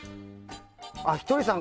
ひとりさん